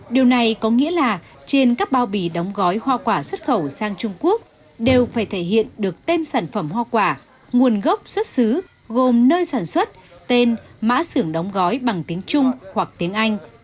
điều này có nghĩa là trên các bao bì đóng gói hoa quả xuất khẩu sang trung quốc đều phải thể hiện được tên sản phẩm hoa quả nguồn gốc xuất xứ gồm nơi sản xuất tên mã xưởng đóng gói bằng tiếng trung hoặc tiếng anh